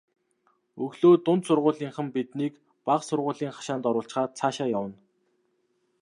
Өглөө дунд сургуулийнхан биднийг бага сургуулийн хашаанд оруулчихаад цаашаа явна.